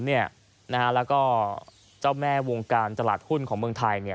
และเจ้าแม่วงการจลาดหุ้นของเมืองไทย